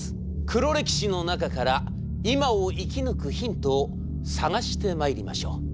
黒歴史の中から今を生き抜くヒントを探してまいりましょう。